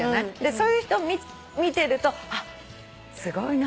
そういう人見てると「すごいな」